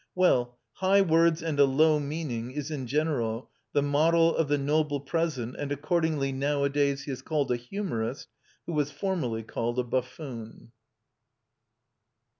Well, "high words and a low meaning" is in general the motto of the noble present, and accordingly now a days he is called a humourist who was formerly, called a buffoon.